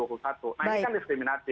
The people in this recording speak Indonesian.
nah ini kan diskriminatif